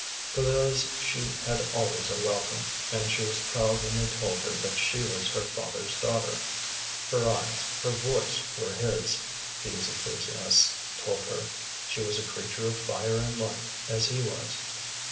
For those she had always a welcome; and she was proud when they told her that she was her father's daughter. Her eyes, her voice were his, these enthusiasts told her. She was a creature of fire and light, as he was.